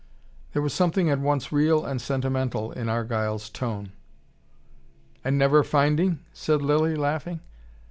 There was something at once real and sentimental in Argyle's tone. "And never finding?" said Lilly, laughing.